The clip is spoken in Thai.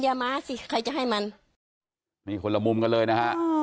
ยาม้าสิใครจะให้มันนี่คนละมุมกันเลยนะฮะ